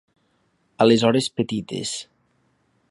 A les hores petites.